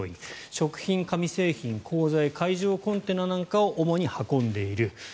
食品、紙製品、鋼材海上コンテナなんかを主に運んでいる。